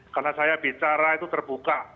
karena saya bicara itu terbuka